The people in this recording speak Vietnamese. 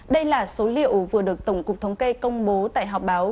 đây là số liệu vừa được tổng cục thống kê công bố tại họp báo